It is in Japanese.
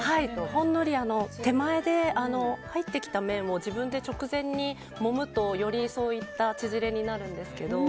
ほんのり手前で入ってきた麺を自分で直前にもむとより、そういった縮れになるんですけど。